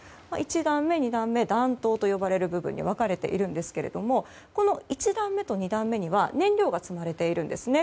１段目、２段目弾頭と呼ばれる部分に分かれているんですけれども１段目と２段目には燃料が積まれているんですね。